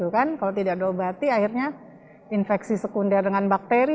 kalau tidak ada obat akhirnya infeksi sekunder dengan bakteri